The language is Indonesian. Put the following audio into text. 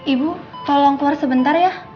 ibu tolong keluar sebentar ya